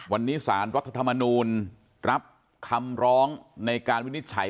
วันนี้สารรัฐธรรมนูลรับคำร้องในการวินิจฉัย